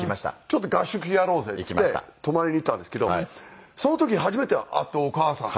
ちょっと合宿やろうぜって言って泊まりに行ったんですけどその時初めて会ってお母さん。